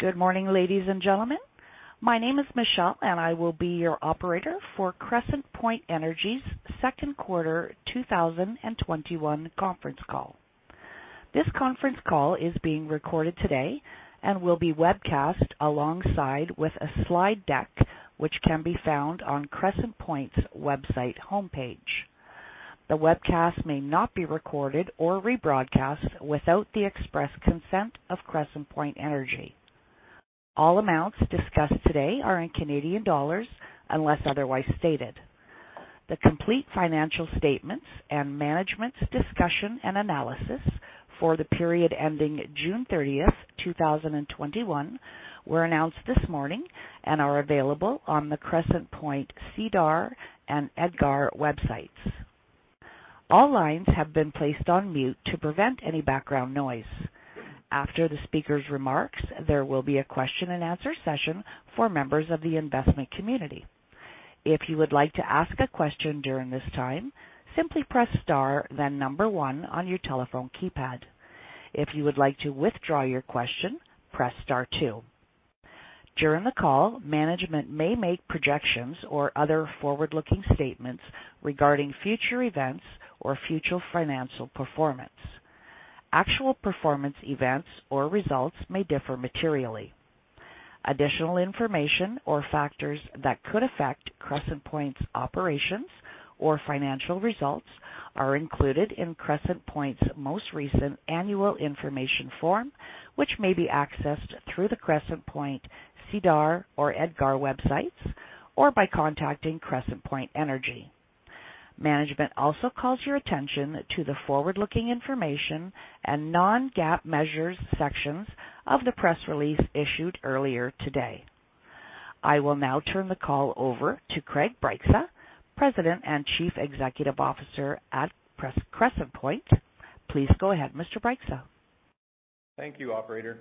Good morning, ladies and gentlemen. My name is Michelle, and I will be your operator for Crescent Point Energy's Q2 2021 Conference Call. This conference call is being recorded today and will be webcast alongside with a slide deck which can be found on Crescent Point's website homepage. The webcast may not be recorded or rebroadcast without the express consent of Crescent Point Energy. All amounts discussed today are in Canadian dollars unless otherwise stated. The complete financial statements and management's discussion and analysis for the period ending June 30th, 2021 were announced this morning and are available on the Crescent Point SEDAR and EDGAR websites. All lines have been placed on mute to prevent any background noise. After the speaker's remarks, there will be a question and answer session for members of the investment community. If you would like to ask a question during this time, simply press star then number one on your telephone keypad. If you would like to withdraw your question, press star two. During the call, management may make projections or other forward-looking statements regarding future events or future financial performance. Actual performance events or results may differ materially. Additional information or factors that could affect Crescent Point's operations or financial results are included in Crescent Point's most recent annual information form, which may be accessed through the Crescent Point SEDAR or EDGAR websites or by contacting Crescent Point Energy. Management also calls your attention to the forward-looking information and non-GAAP measures sections of the press release issued earlier today. I will now turn the call over to Craig Bryksa, President and Chief Executive Officer at Crescent Point. Please go ahead, Mr. Bryksa. Thank you, operator.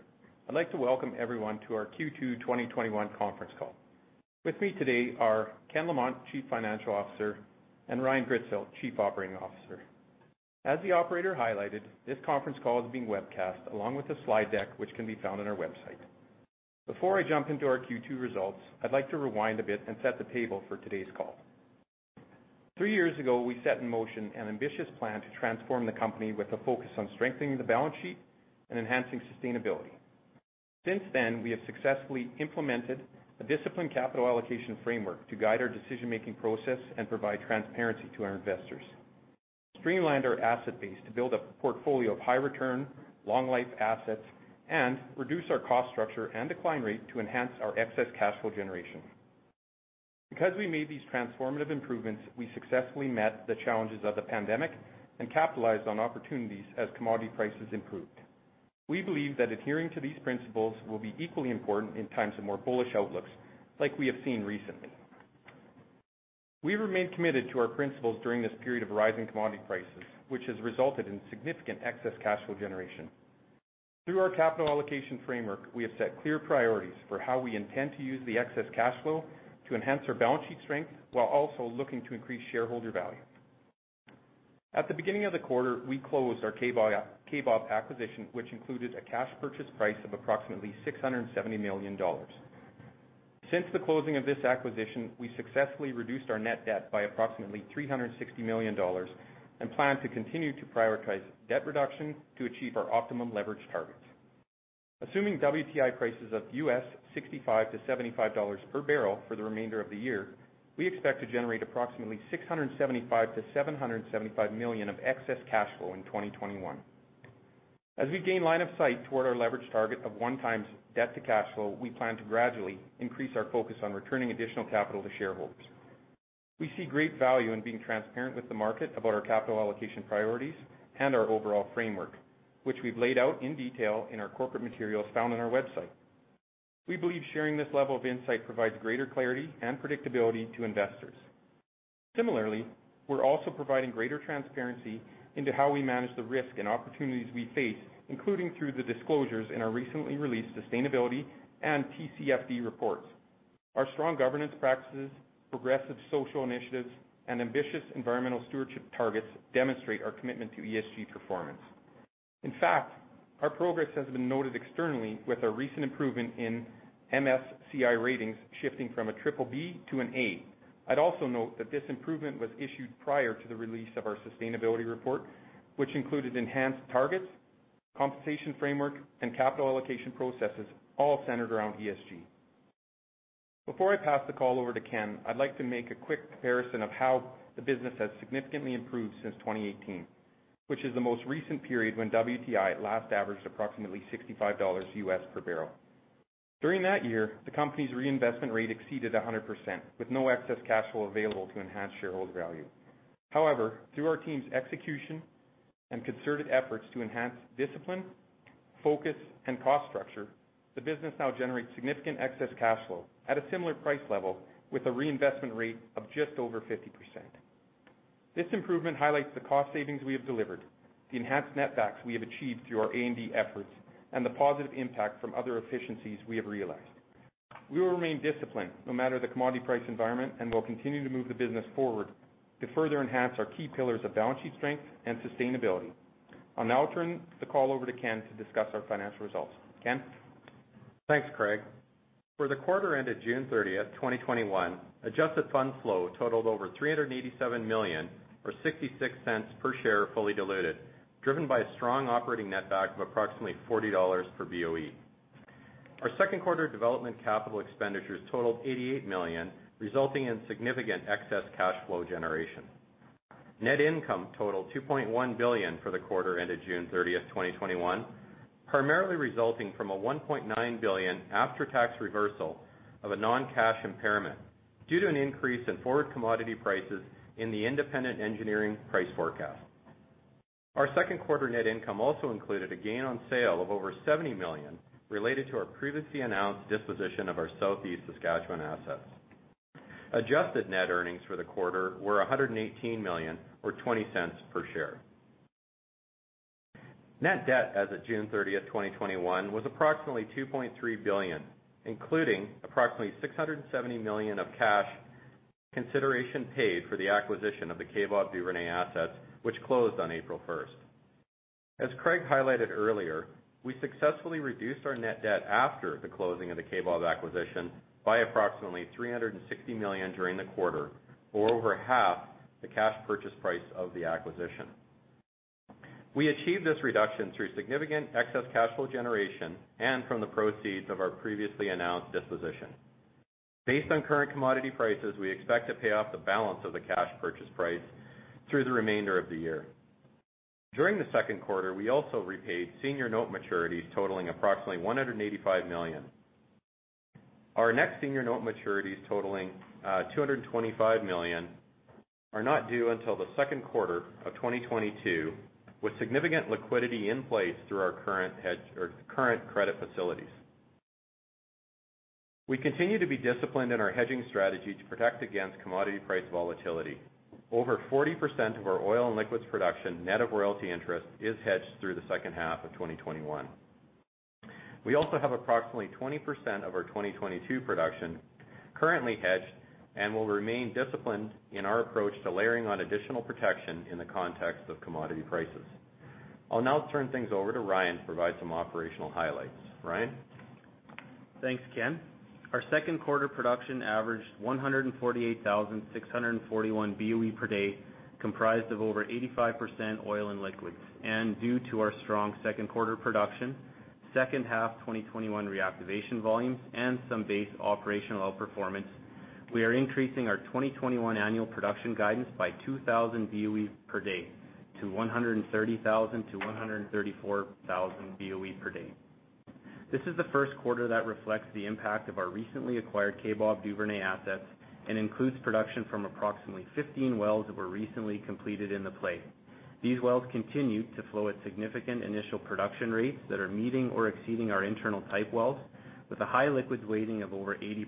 I'd like to welcome everyone to our Q2 2021 conference call. With me today are Ken Lamont, Chief Financial Officer, and Ryan Gritzfeldt, Chief Operating Officer. As the operator highlighted, this conference call is being webcast along with a slide deck, which can be found on our website. Before I jump into our Q2 results, I'd like to rewind a bit and set the table for today's call. Three years ago, we set in motion an ambitious plan to transform the company with a focus on strengthening the balance sheet and enhancing sustainability. Since then, we have successfully implemented a disciplined capital allocation framework to guide our decision-making process and provide transparency to our investors, streamlined our asset base to build a portfolio of high return, long-life assets, and reduced our cost structure and decline rate to enhance our excess cash flow generation. Because we made these transformative improvements, we successfully met the challenges of the pandemic and capitalized on opportunities as commodity prices improved. We believe that adhering to these principles will be equally important in times of more bullish outlooks like we have seen recently. We remain committed to our principles during this period of rising commodity prices, which has resulted in significant excess cash flow generation. Through our capital allocation framework, we have set clear priorities for how we intend to use the excess cash flow to enhance our balance sheet strength while also looking to increase shareholder value. At the beginning of the quarter, we closed our Kaybob acquisition, which included a cash purchase price of approximately 670 million dollars. Since the closing of this acquisition, we successfully reduced our net debt by approximately 360 million dollars and plan to continue to prioritize debt reduction to achieve our optimum leverage targets. Assuming WTI prices of U.S. $65-$75 per bbl for the remainder of the year, we expect to generate approximately 675 million-775 million of excess cash flow in 2021. As we gain line of sight toward our leverage target of 1x debt to cash flow, we plan to gradually increase our focus on returning additional capital to shareholders. We see great value in being transparent with the market about our capital allocation priorities and our overall framework, which we've laid out in detail in our corporate materials found on our website. We believe sharing this level of insight provides greater clarity and predictability to investors. Similarly, we're also providing greater transparency into how we manage the risk and opportunities we face, including through the disclosures in our recently released sustainability and TCFD reports. Our strong governance practices, progressive social initiatives, and ambitious environmental stewardship targets demonstrate our commitment to ESG performance. In fact, our progress has been noted externally with our recent improvement in MSCI ratings shifting from a triple B to an A. I'd also note that this improvement was issued prior to the release of our sustainability report, which included enhanced targets, compensation framework, and capital allocation processes, all centered around ESG. Before I pass the call over to Ken, I'd like to make a quick comparison of how the business has significantly improved since 2018, which is the most recent period when WTI last averaged approximately $65 U.S. per bbl. During that year, the company's reinvestment rate exceeded 100%, with no excess cash flow available to enhance shareholder value. However, through our team's execution and concerted efforts to enhance discipline, focus, and cost structure, the business now generates significant excess cash flow at a similar price level with a reinvestment rate of just over 50%. This improvement highlights the cost savings we have delivered, the enhanced netbacks we have achieved through our A&D efforts, and the positive impact from other efficiencies we have realized. We will remain disciplined no matter the commodity price environment, and we'll continue to move the business forward to further enhance our key pillars of balance sheet strength and sustainability. I'll now turn the call over to Ken to discuss our financial results. Ken? Thanks, Craig. For the quarter ended June 30th, 2021, adjusted fund flow totaled over 387 million, or 0.66 per share fully diluted, driven by a strong operating netback of approximately 40 dollars per BOE. Our Q2 development capital expenditures totaled 88 million, resulting in significant excess cash flow generation. Net income totaled 2.1 billion for the quarter ended June 30th, 2021, primarily resulting from a 1.9 billion after-tax reversal of a non-cash impairment due to an increase in forward commodity prices in the independent engineering price forecast. Our Q2 net income also included a gain on sale of over 70 million related to our previously announced disposition of our South East Saskatchewan assets. Adjusted net earnings for the quarter were 118 million, or 0.20 per share. Net debt as of June 30th, 2021, was approximately 2.3 billion, including approximately 670 million of cash consideration paid for the acquisition of the Kaybob Duvernay assets, which closed on April 1st. As Craig highlighted earlier, we successfully reduced our net debt after the closing of the Kaybob acquisition by approximately 360 million during the quarter, or over half the cash purchase price of the acquisition. We achieved this reduction through significant excess cash flow generation, and from the proceeds of our previously announced disposition. Based on current commodity prices, we expect to pay off the balance of the cash purchase price through the remainder of the year. During the Q2, we also repaid senior note maturities totaling approximately 185 million. Our next senior note maturities totaling 225 million are not due until the Q2 of 2022, with significant liquidity in place through our current credit facilities. We continue to be disciplined in our hedging strategy to protect against commodity price volatility. Over 40% of our oil and liquids production net of royalty interest is hedged through the H2 of 2021. We also have approximately 20% of our 2022 production currently hedged and will remain disciplined in our approach to layering on additional protection in the context of commodity prices. I'll now turn things over to Ryan to provide some operational highlights. Ryan? Thanks, Ken. Our Q2 production averaged 148,641 BOE per day, comprised of over 85% oil and liquids, due to our strong Q2 production, H2 2021 reactivation volumes, and some base operational outperformance, we are increasing our 2021 annual production guidance by 2,000 BOE per day to 130,000-134,000 BOE per day. This is the Q1 that reflects the impact of our recently acquired Kaybob Duvernay assets and includes production from approximately 15 wells that were recently completed in the play. These wells continue to flow at significant initial production rates that are meeting or exceeding our internal type wells with a high liquids weighting of over 80%.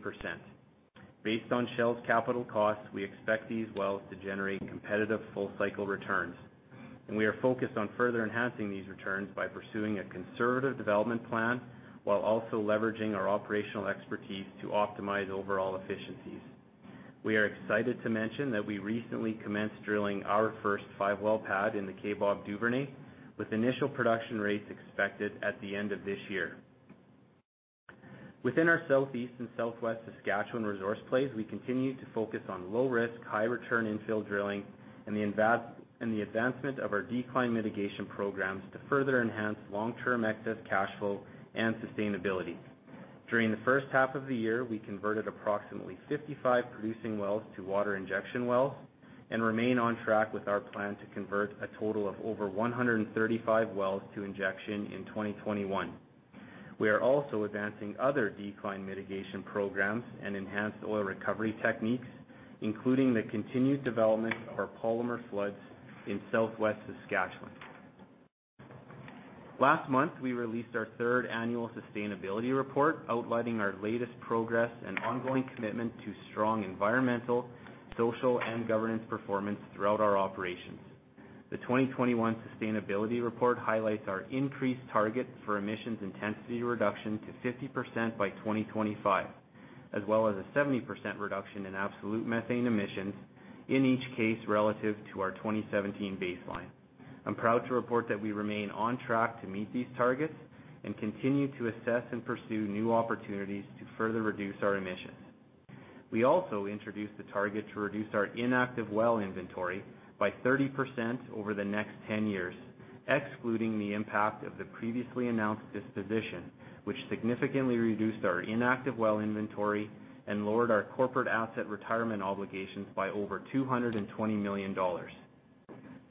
Based on Shell's capital costs, we expect these wells to generate competitive full-cycle returns, and we are focused on further enhancing these returns by pursuing a conservative development plan while also leveraging our operational expertise to optimize overall efficiencies. We are excited to mention that we recently commenced drilling our first five-well pad in the Kaybob Duvernay, with initial production rates expected at the end of this year. Within our Southeast and Southwest Saskatchewan resource plays, we continue to focus on low-risk, high-return infill drilling and the advancement of our decline mitigation programs to further enhance long-term excess cash flow and sustainability. During the H1 of the year, we converted approximately 55 producing wells to water injection wells and remain on track with our plan to convert a total of over 135 wells to injection in 2021. We are also advancing other decline mitigation programs and enhanced oil recovery techniques, including the continued development of our polymer floods in South East Saskatchewan. Last month, we released our third annual sustainability report outlining our latest progress and ongoing commitment to strong environmental, social, and governance performance throughout our operations. The 2021 sustainability report highlights our increased target for emissions intensity reduction to 50% by 2025, as well as a 70% reduction in absolute methane emissions, in each case relative to our 2017 baseline. I'm proud to report that we remain on track to meet these targets and continue to assess and pursue new opportunities to further reduce our emissions. We also introduced the target to reduce our inactive well inventory by 30% over the next 10 years, excluding the impact of the previously announced disposition, which significantly reduced our inactive well inventory and lowered our corporate asset retirement obligations by over 220 million dollars.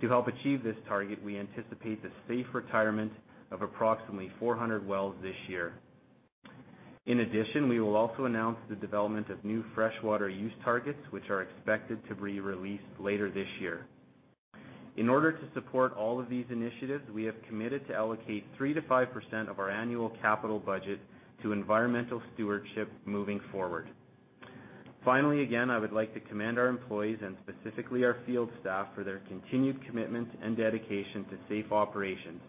To help achieve this target, we anticipate the safe retirement of approximately 400 wells this year. In addition, we will also announce the development of new freshwater use targets, which are expected to be released later this year. In order to support all of these initiatives, we have committed to allocate 3%-5% of our annual capital budget to environmental stewardship moving forward. Finally, again, I would like to commend our employees and specifically our field staff for their continued commitment and dedication to safe operations,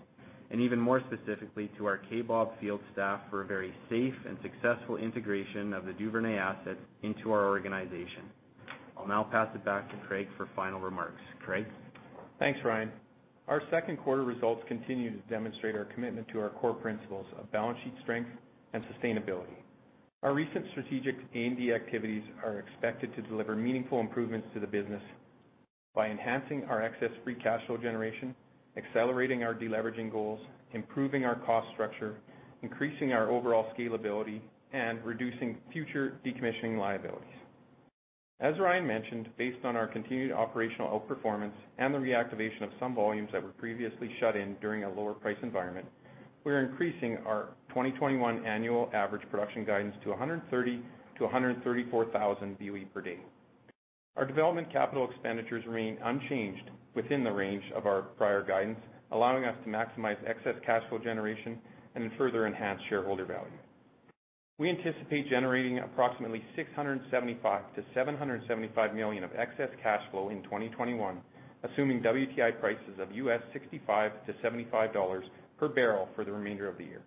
and even more specifically to our Kaybob field staff for a very safe and successful integration of the Duvernay asset into our organization. I'll now pass it back to Craig for final remarks. Craig? Thanks, Ryan. Our Q2 results continue to demonstrate our commitment to our core principles of balance sheet strength and sustainability. Our recent strategic M&A activities are expected to deliver meaningful improvements to the business by enhancing our excess free cash flow generation, accelerating our deleveraging goals, improving our cost structure, increasing our overall scalability, and reducing future decommissioning liabilities. As Ryan mentioned, based on our continued operational outperformance and the reactivation of some volumes that were previously shut in during a lower price environment, we are increasing our 2021 annual average production guidance to 130,000-134,000 BOE per day. Our development capital expenditures remain unchanged within the range of our prior guidance, allowing us to maximize excess cash flow generation and further enhance shareholder value. We anticipate generating approximately 675 million-775 million of excess cash flow in 2021, assuming WTI prices of U.S. $65-$75 per bbl for the remainder of the year.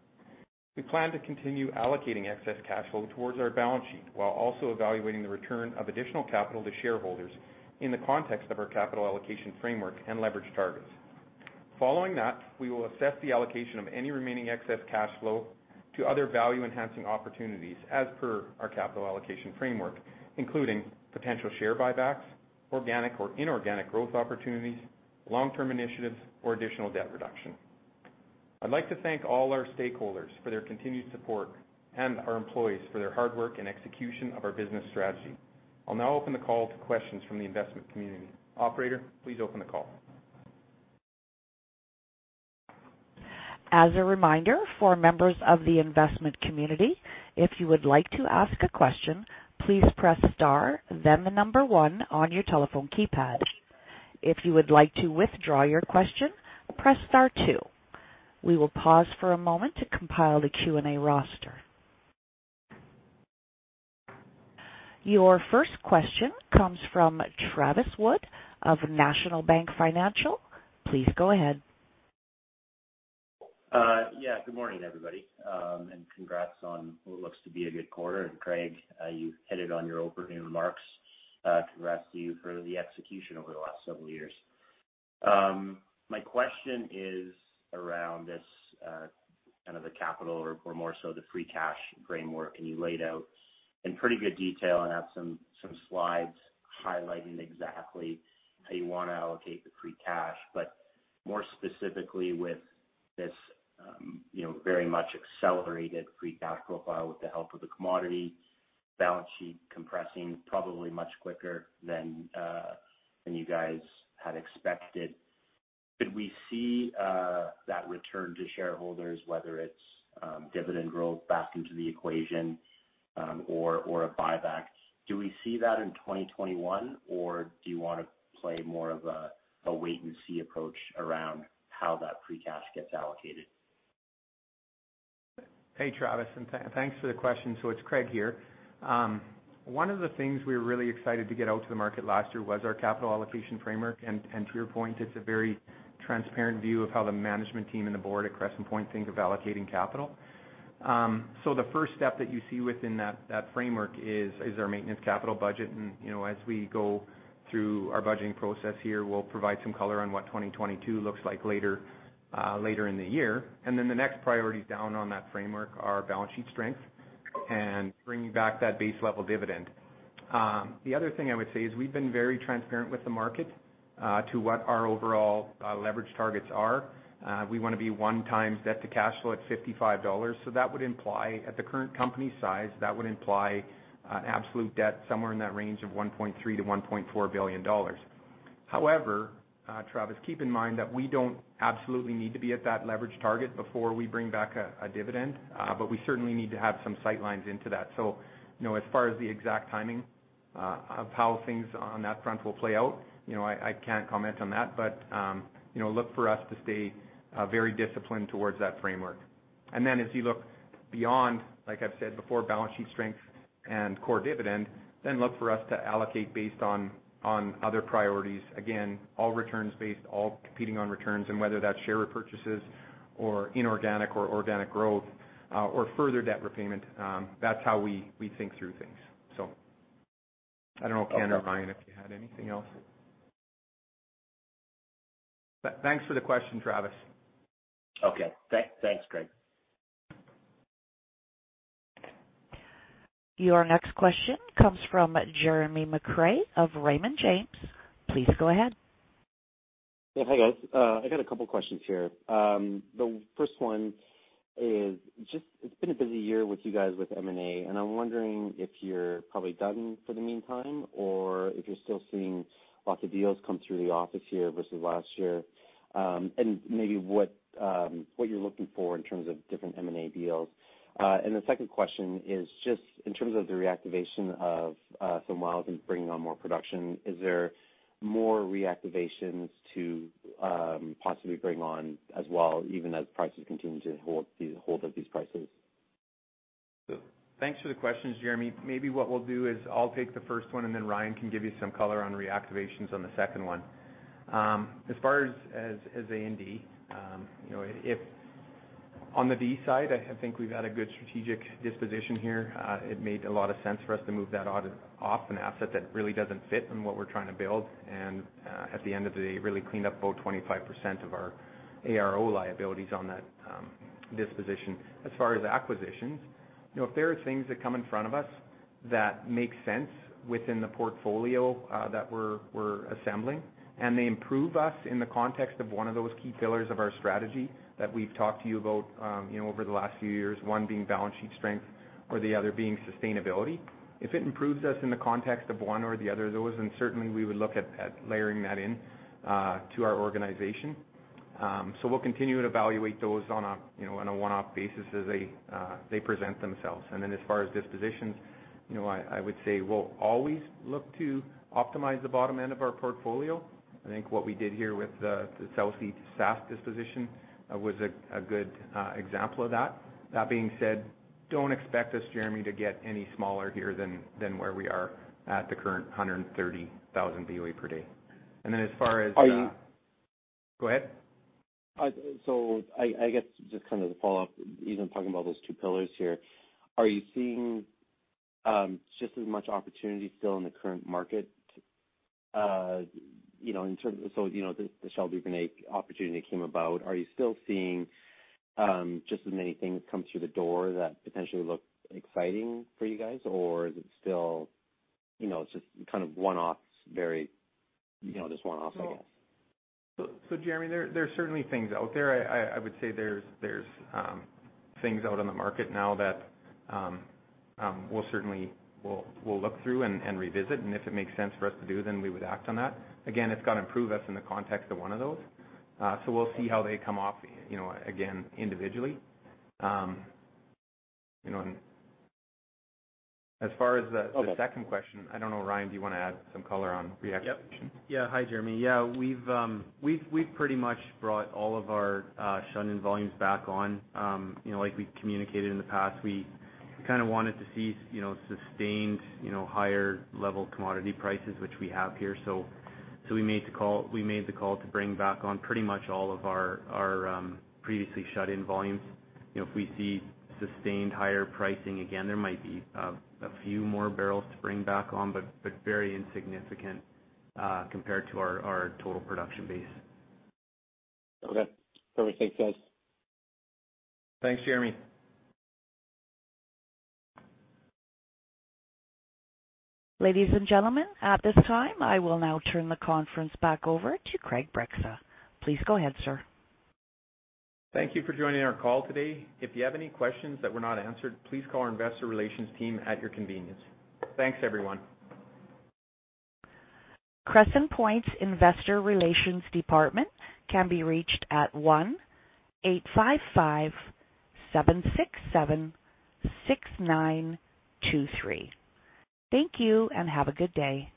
We plan to continue allocating excess cash flow towards our balance sheet, while also evaluating the return of additional capital to shareholders in the context of our capital allocation framework and leverage targets. Following that, we will assess the allocation of any remaining excess cash flow to other value-enhancing opportunities as per our capital allocation framework, including potential share buybacks, organic or inorganic growth opportunities, long-term initiatives, or additional debt reduction. I'd like to thank all our stakeholders for their continued support and our employees for their hard work and execution of our business strategy. I'll now open the call to questions from the investment community. Operator, please open the call. As a reminder for members of the investment community, if you would like to ask a question, please press star, then the number one on your telephone keypad. If you would like to withdraw your question, press star two. We will pause for a moment to compile the Q&A roster. Your first question comes from Travis Wood of National Bank Financial. Please go ahead. Yeah. Good morning, everybody, congrats on what looks to be a good quarter. Craig, you've hit it on your opening remarks. Congrats to you for the execution over the last several years. My question is around this, kind of the capital or more so the free cash framework, and you laid out in pretty good detail and have some slides highlighting exactly how you want to allocate the free cash. More specifically with this very much accelerated free cash profile with the help of the commodity balance sheet compressing probably much quicker than you guys had expected, could we see that return to shareholders, whether it's dividend growth back into the equation or a buyback? Do we see that in 2021, or do you want to play more of a wait-and-see approach around how that free cash gets allocated? Hey, Travis. Thanks for the question. It's Craig here. One of the things we were really excited to get out to the market last year was our capital allocation framework. To your point, it's a very transparent view of how the management team and the board at Crescent Point think of allocating capital. The first step that you see within that framework is our maintenance capital budget. As we go through our budgeting process here, we'll provide some color on what 2022 looks like later in the year. The next priorities down on that framework are balance sheet strength and bringing back that base level dividend. The other thing I would say is we've been very transparent with the market to what our overall leverage targets are. We want to be 1x debt to cash flow at 55 dollars. At the current company size, that would imply an absolute debt somewhere in that range of 1.3 billion-1.4 billion dollars. However, Travis, keep in mind that we don't absolutely need to be at that leverage target before we bring back a dividend, but we certainly need to have some sight lines into that. As far as the exact timing of how things on that front will play out, I can't comment on that. Look for us to stay very disciplined towards that framework. As you look beyond, like I've said before, balance sheet strength and core dividend, then look for us to allocate based on other priorities. Again, all returns based, all competing on returns, and whether that's share repurchases or inorganic or organic growth, or further debt repayment, that's how we think through things. I don't know, Ken or Ryan, if you had anything else. Thanks for the question, Travis. Okay. Thanks, Craig. Your next question comes from Jeremy McCrea of Raymond James. Please go ahead. Yeah. Hi, guys. I got a couple questions here. The first one is just it's been a busy year with you guys with M&A. I'm wondering if you're probably done for the meantime, or if you're still seeing lots of deals come through the office here versus last year. Maybe what you're looking for in terms of different M&A deals. The second question is just in terms of the reactivation of some wells and bringing on more production, is there more reactivations to possibly bring on as well, even as prices continue to hold at these prices? Thanks for the questions, Jeremy. Maybe what we'll do is I'll take the first one, and then Ryan can give you some color on reactivations on the second one. As far as A&D, if on the D side, I think we've had a good strategic disposition here. It made a lot of sense for us to move that off an asset that really doesn't fit in what we're trying to build, and at the end of the day, really cleaned up about 25% of our ARO liabilities on that disposition. As far as acquisitions, if there are things that come in front of us that make sense within the portfolio that we're assembling, and they improve us in the context of one of those key pillars of our strategy that we've talked to you about over the last few years, one being balance sheet strength or the other being sustainability. If it improves us in the context of one or the other of those, then certainly we would look at layering that into our organization. We'll continue to evaluate those on a one-off basis as they present themselves. As far as dispositions, I would say we'll always look to optimize the bottom end of our portfolio. I think what we did here with the South East Saskatchewan disposition was a good example of that. That being said, don't expect us, Jeremy, to get any smaller here than where we are at the current 130,000 BOE per day. Are you. Go ahead. I guess just kind of the follow-up, you've been talking about those two pillars here. Are you seeing just as much opportunity still in the current market? The Shell Duvernay opportunity came about. Are you still seeing just as many things come through the door that potentially look exciting for you guys, or is it still, it's just kind of one-offs, very just one-offs, I guess? Jeremy, there are certainly things out there. I would say there's things out on the market now that we'll certainly look through and revisit, and if it makes sense for us to do, then we would act on that. Again, it's got to improve us in the context of one of those. We'll see how they come off, again, individually. As far as the second question, I don't know, Ryan, do you want to add some color on reactivation? Yep. Yeah. Hi, Jeremy. Yeah, we've pretty much brought all of our shut-in volumes back on. Like we've communicated in the past, we kind of wanted to see sustained higher level commodity prices, which we have here. We made the call to bring back on pretty much all of our previously shut-in volumes. If we see sustained higher pricing again, there might be a few more barrels to bring back on, but very insignificant compared to our total production base. Okay. Perfect. Thanks, guys. Thanks, Jeremy. Ladies and gentlemen, at this time, I will now turn the conference back over to Craig Bryksa. Please go ahead, sir. Thank you for joining our call today. If you have any questions that were not answered, please call our investor relations team at your convenience. Thanks, everyone. Crescent Point's investor relations department can be reached at 1-855-767-6923. Thank you and have a good day.